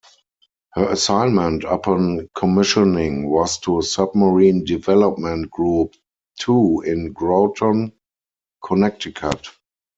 Her assignment upon commissioning was to Submarine Development Group Two in Groton, Connecticut.